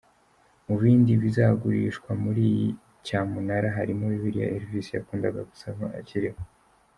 Mu bindi bizagurishwa muri iyi cyamunara harimo bibiliya Elvis yakundaga gusoma akiriho.